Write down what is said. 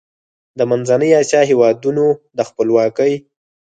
د منځنۍ اسیا هېوادونو د خپلواکۍ